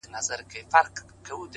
فکر د انسان داخلي نړۍ جوړوي